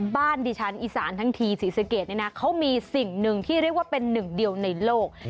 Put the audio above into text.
บ้านดิฉันอีสานทั้งทีศรีสะเกดเนี่ยนะเขามีสิ่งหนึ่งที่เรียกว่าเป็นหนึ่งเดียวในโลก